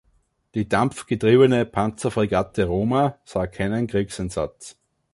Die dampfgetriebene Panzerfregatte "Roma" sah keinen Kriegseinsatz.